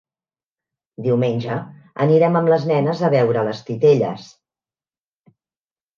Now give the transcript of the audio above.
Diumenge anirem amb les nenes a veure les titelles.